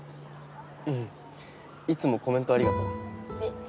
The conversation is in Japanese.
うんいつもコメントありがとう。